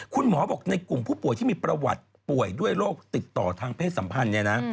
คุณหมอบอกในกลุ่มผู้ป่วยที่มีประวัติป่วยด้วยโรคติดต่อทางเพศสัมพันธ์เนี่ยนะ